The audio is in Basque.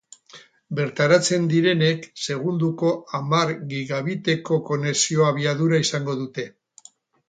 Bertaratzen direnek segundoko hamar gigabiteko konexio-abiadura izango dute.